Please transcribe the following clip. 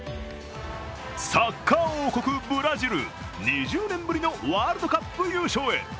サッカー王国・ブラジル、２０年ぶりのワールドカップ優勝へ。